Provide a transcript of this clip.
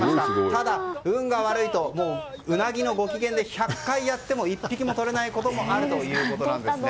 ただ運が悪いとウナギのご機嫌で１００回やっても１匹もとれないこともあるということなんです。